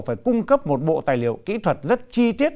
phải cung cấp một bộ tài liệu kỹ thuật rất chi tiết